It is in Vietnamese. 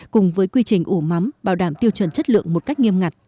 cùng với quy trình ủ mắm bảo đảm tiêu chuẩn chất lượng một cách nghiêm ngặt